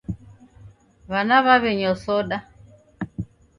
W'ana w'aw'enywa soda